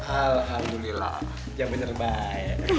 alhamdulillah yang bener baik